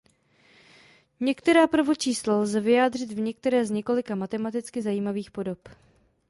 Některá prvočísla lze vyjádřit v některé z několika matematicky zajímavých podob.